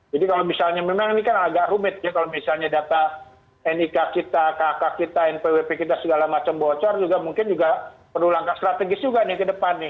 jadi kalau misalnya memang ini kan agak rumit ya kalau misalnya data nik kita kk kita npwp kita segala macam bocor juga mungkin juga perlu langkah strategis juga nih ke depan nih